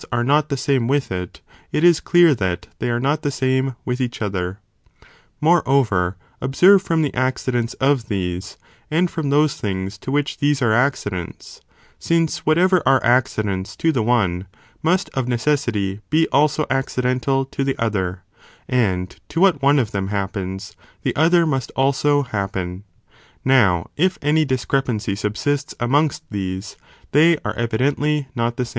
eee ee not the same with it, it is clear that (they are not the same) with each other. 4. Ifthe acct: Moreover, observe from the accidents of these, dents arethe and from those things to which these are acci paul dents, since whatever are accidents to the one, must of necessity be also accidental to the other, and to what one of them happens, the other must also happen; now if any discrepancy subsists amongst these, they are evidently not the same.